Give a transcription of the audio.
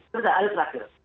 terus ada yang terakhir